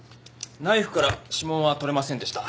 ナイフから指紋は採れませんでした。